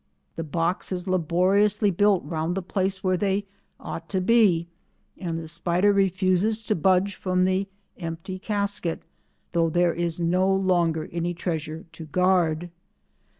The box is laboriously built round the place where they ought to be, and the spider refuses to budge from the empty casket, though there is no longer any treasure to guard.